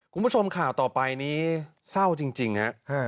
คุณผู้ชมข่าวต่อไปนี้เศร้าจริงฮะ